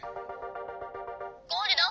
「ゴールド！